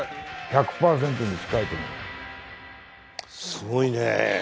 すごいね。